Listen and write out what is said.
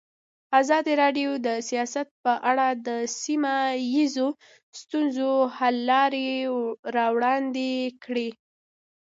ازادي راډیو د سیاست په اړه د سیمه ییزو ستونزو حل لارې راوړاندې کړې.